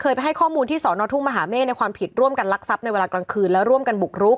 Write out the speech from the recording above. ไปให้ข้อมูลที่สอนอทุ่งมหาเมฆในความผิดร่วมกันลักทรัพย์ในเวลากลางคืนและร่วมกันบุกรุก